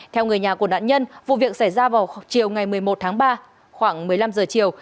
theo người nhà của nạn nhân vụ việc xảy ra vào chiều ngày một mươi một tháng ba khoảng một mươi năm giờ chiều